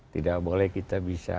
tidak boleh kita bisa